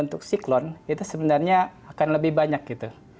untuk siklon itu sebenarnya akan lebih banyak gitu